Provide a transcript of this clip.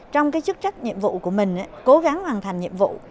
trong cái chức trách nhiệm vụ của mình cố gắng hoàn thành nhiệm vụ